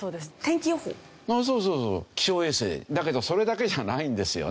だけどそれだけじゃないんですよね。